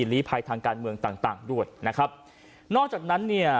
ลีภัยทางการเมืองต่างต่างด้วยนะครับนอกจากนั้นเนี่ย